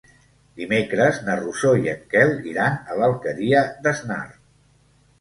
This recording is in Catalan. Dimecres na Rosó i en Quel iran a l'Alqueria d'Asnar.